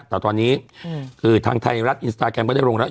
แต่ตอนนี้คือทางไทยรัฐอินสตาแกรมก็ได้ลงแล้ว